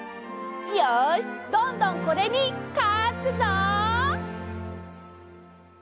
よしどんどんこれにかくぞ！